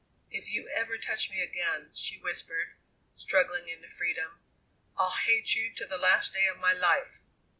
"If you ever touch me again," she whispered, struggling into freedom, "I'll hate you to the last day of my life!"